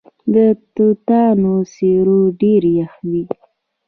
د توتانو سیوری ډیر یخ وي.